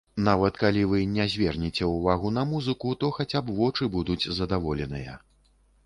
Нават калі вы не звернеце ўвагу на музыку, то хаця б вочы будуць задаволеныя.